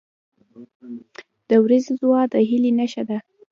• د ورځې دعا د هیلې نښه ده.